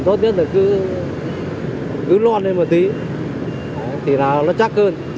tốt nhất là cứ loan lên một tí thì là nó chắc hơn